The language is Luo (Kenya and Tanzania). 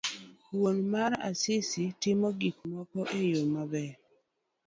wuon mare Asisi timo gik eyo maber.